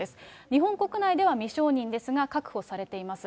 日本国内では未承認ですが、確保されています。